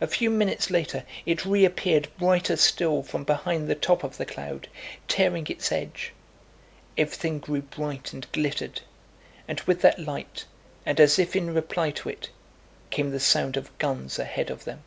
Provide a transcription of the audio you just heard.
A few minutes later it reappeared brighter still from behind the top of the cloud, tearing its edge. Everything grew bright and glittered. And with that light, and as if in reply to it, came the sound of guns ahead of them.